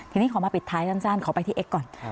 ทีนี้ขอมาปิดท้ายสั้นขอไปที่เอ็กซ์ก่อน